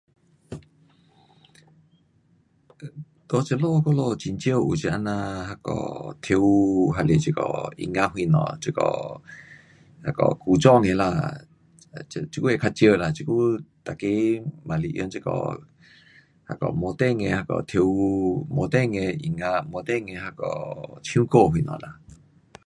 在这里我们很少有这样啊呐那个跳舞，还是这个音乐，这个那个古装的啦，这久会较少啦，这久每个嘛是用这个那个摩登的那个跳舞，摩登的音乐，摩登的那个唱歌什么啦。